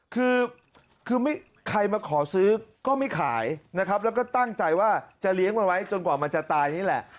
คือคือใครมาขอซื้อก็ไม่ขายนะครับแล้วก็ตั้งใจว่าจะเลี้ยงมันไว้จนกว่ามันจะตายนี่แหละ